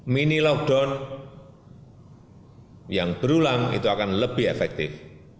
mini lockdown yang berulang itu akan lebih efektif